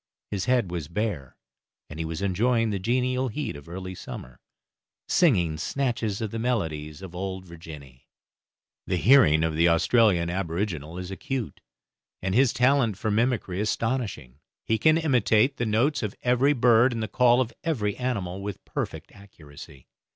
His head was bare, and he was enjoying the genial heat of early summer, singing snatches of the melodies of Old Virginny. The hearing of the Australian aboriginal is acute, and his talent for mimicry astonishing; he can imitate the notes of every bird and the call of every animal with perfect accuracy.